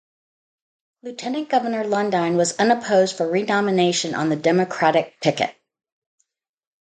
Lieutenant Governor Lundine was unopposed for renomination on the Democratic ticket.